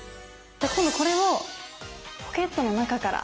今度これをポケットの中から。